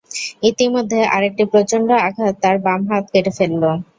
ইতিমধ্যে আরেকটি প্রচন্ড আঘাত তার বাম হাত কেটে ফেলল।